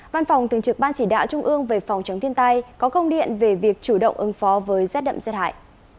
văn phòng thường trực ban chỉ đạo trung ương về phòng chống thiên tai có công điện về việc chủ động ứng phó với rét đậm rét hại